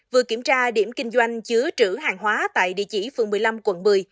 vừa kiểm tra điểm kinh doanh chứa trữ hàng hóa tại địa chỉ phường một mươi năm quận một mươi